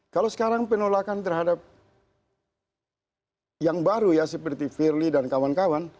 kalau sekarang penolakan terhadap yang baru ya seperti firly dan kawan kawan